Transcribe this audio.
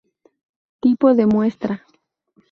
Tipo de muestra.